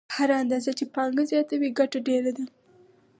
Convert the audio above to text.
هره اندازه چې پانګه زیاته وي ګټه ډېره ده